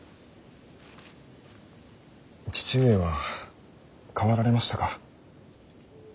父上は変わられましたか。